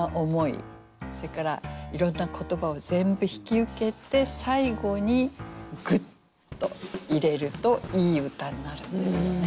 それからいろんな言葉を全部引き受けて最後にぐっと入れるといい歌になるんですよね。